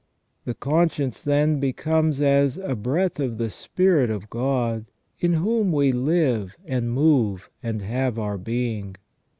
The conscience then becomes as "a breath of the Spirit of God," in whom "we live, and move, and have our being